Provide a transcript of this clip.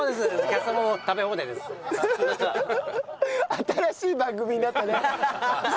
新しい番組になったね。